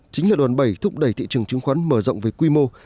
chính là đoàn bày thúc đẩy thị trường chứng khoán mở rộng về quy mô